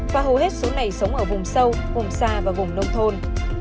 và hầu hết số này sống ở vùng sâu vùng xa và vùng nông thôn